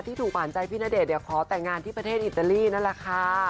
ถูกหวานใจพี่ณเดชน์ขอแต่งงานที่ประเทศอิตาลีนั่นแหละค่ะ